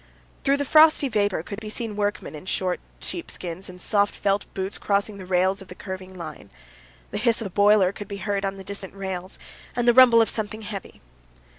Through the frosty vapor could be seen workmen in short sheepskins and soft felt boots crossing the rails of the curving line. The hiss of the boiler could be heard on the distant rails, and the rumble of something heavy.